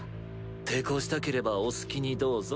抵抗したければお好きにどうぞ。